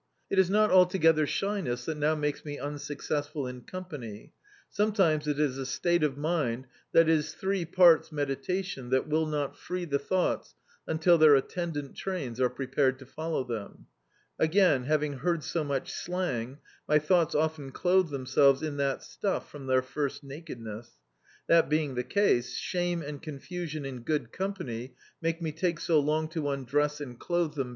It is not altogether shyness that now makes me un successful in company. Sometimes it is a state of mind that is three parts meditation that will not free the thou^ts until their attendant trains arc prepared to follow them. Again, having heard so much slang my dioughts often clothe themselves in that stuff from their first nakedness. That being the case, shame and confusion in good company make me take so long to imdress and clothe them Do.